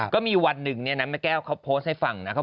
ก็มีอยู่วันหนึ่งนะแม่แก้วเขาโพสให้ฟังนะ